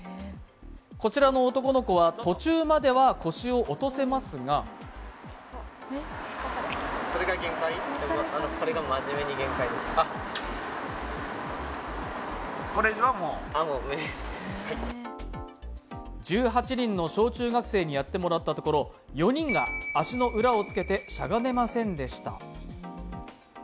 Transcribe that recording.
こちらの男の子は途中までは腰を落とせますが１８人の小中学生にやってもらったところ４人が足の裏をつけてしゃがめませんでした。